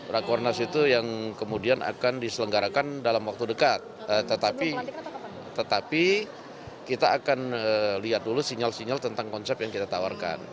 rakornas itu yang kemudian akan diselenggarakan dalam waktu dekat tetapi kita akan lihat dulu sinyal sinyal tentang konsep yang kita tawarkan